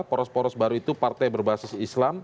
poros poros baru itu partai berbasis islam